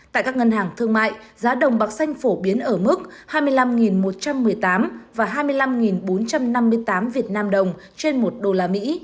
tại các ngân hàng thương mại giá đồng bạc xanh phổ biến ở mức hai mươi năm một trăm một mươi tám và hai mươi năm bốn trăm năm mươi tám việt nam đồng trên một đô la mỹ